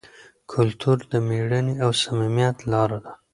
کلتور د مېړانې او صمیمیت لاره ده.